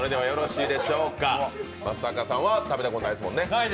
松坂さんは食べたことないですもんね。